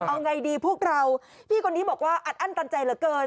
เอาไงดีพวกเราพี่คนนี้บอกว่าอัดอั้นตันใจเหลือเกิน